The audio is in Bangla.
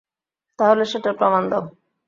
তাহলে সেটার প্রমাণ দাও।